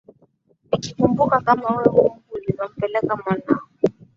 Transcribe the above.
Nikikumbuka kama Wewe Mungu ulivyompeleka Mwanao